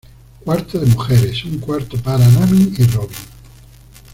Cuarto de Mujeres: Un cuarto para Nami y Robin.